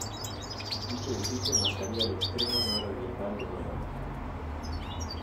Dicho edificio marcaría el extremo nororiental de Miramar.